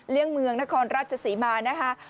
เลี่ยงเมืองนครราชสีมานะคะ